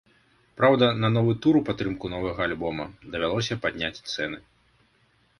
Праўда, на новы тур у падтрымку новага альбома давялося падняць цэны.